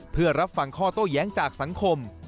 เพื่อรับฟังข้อโต้แย้งจากสังคม